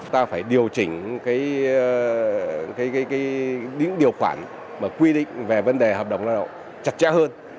ta phải điều chỉnh những điều khoản mà quy định về vấn đề hợp đồng lao động chặt chẽ hơn